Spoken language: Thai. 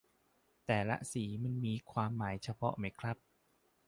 แต่ละสีมันมีความหมายเฉพาะไหมครับ